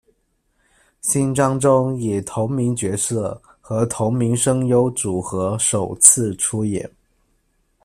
新章》中以同名角色和同名声优组合首次出演。